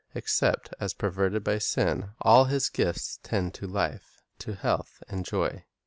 Except as perverted by sin, all His gifts tend to life, to health and joy.